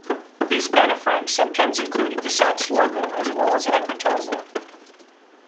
These banner frames sometimes included the site's logo as well as advertising.